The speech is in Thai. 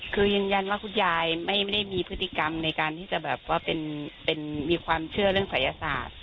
คือยืนยันว่าคุณยายไม่ได้มีพฤติกรรมในการที่จะแบบว่ามีความเชื่อเรื่องศัยศาสตร์